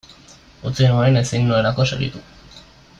Utzi nuen ezin nuelako segitu.